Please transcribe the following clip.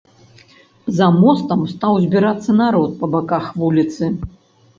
За мостам стаў збірацца народ па баках вуліцы.